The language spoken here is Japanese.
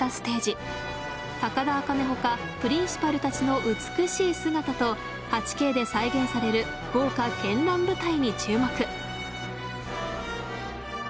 高田茜ほかプリンシパルたちの美しい姿と８Ｋで再現される豪華けんらん舞台に注目。